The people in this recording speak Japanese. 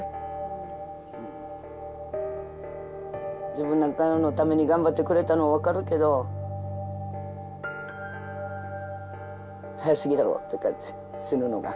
自分なんかのために頑張ってくれたの分かるけど早すぎだろって感じ死ぬのが。